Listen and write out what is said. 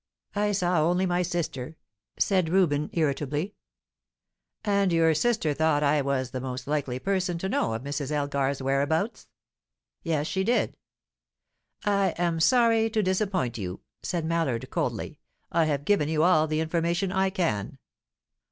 "I saw only my sister," said Reuben, irritably. "And your sister thought I was the most likely person to know of Mrs. Elgar's whereabouts?" "Yes, she did." "I am sorry to disappoint you," said Mallard, coldly. "I have given you all the information I can."